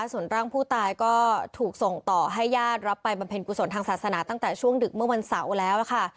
ส่วนร่างผู้ตายก็ถูกส่งต่อให้ญาติรับไปบำเพ็ญกุศลทางศาสนาตั้งแต่ช่วงดึกเมื่อวันเสาร์แล้วค่ะ